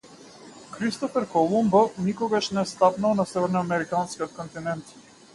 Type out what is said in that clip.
Кристофер Колумбо никогаш не стапнал на северноамериканскиот континент.